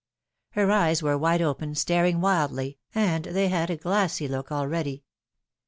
Her eyes were wide open, staring wildly, and they had a glassy look already.